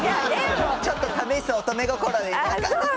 ちょっと試す乙女心分かる。